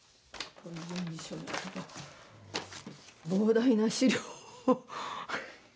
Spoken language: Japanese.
膨大な資料。